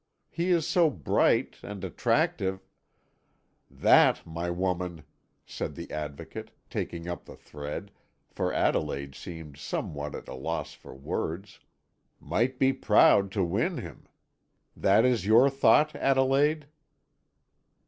He is so bright and attractive " "That any woman," said the Advocate, taking up the thread, for Adelaide seemed somewhat at a loss for words, "might be proud to win him. That is your thought, Adelaide."